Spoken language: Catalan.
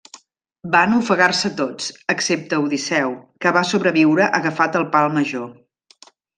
Van ofegar-se tots, excepte Odisseu, que va sobreviure agafat al pal major.